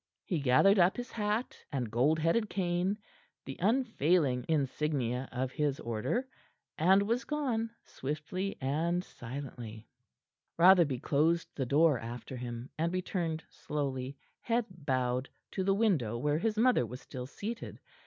He gathered up his hat and gold headed cane the unfailing insignia of his order and was gone, swiftly and silently. Rotherby closed the door after him, and returned slowly, head bowed, to the window where his mother was still seated.